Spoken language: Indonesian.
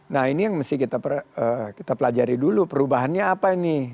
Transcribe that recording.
nah ini yang mesti kita pelajari dulu perubahannya apa ini